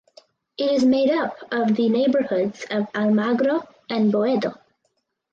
It is made up of the neighborhoods of Almagro and Boedo.